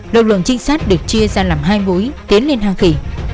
đội lượng trinh sát được chia ra làm hai mũi tiến lên hang khỉ